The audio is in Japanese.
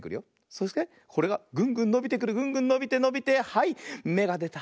そしてこれがグングンのびてくるグングンのびてのびてはいめがでた！